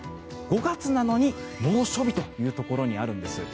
５月なのに猛暑日というところにあるんです。